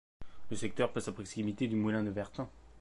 Le secteur passe à proximité du moulin de Vertain.